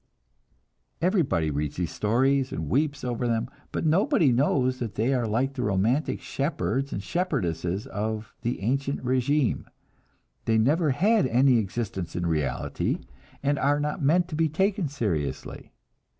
Everybody reads these stories and weeps over them, but everybody knows that they are like the romantic shepherds and shepherdesses of the ancient régime; they never had any existence in reality, and are not meant to be taken seriously.